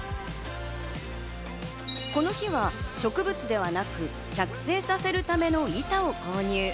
この日は植物ではなく着生させるための板を購入。